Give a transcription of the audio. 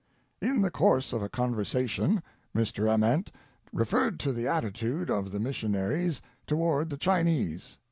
"In the course of a conversation, Mr. Ament referred to the attitude of the missionaries toward the Chinese.